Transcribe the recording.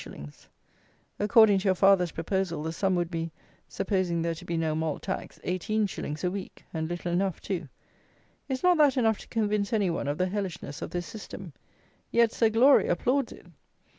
_ According to your father's proposal, the sum would be (supposing there to be no malt tax) 18_s._ a week; and little enough too." Is not that enough to convince any one of the hellishness of this system? Yet Sir Glory applauds it.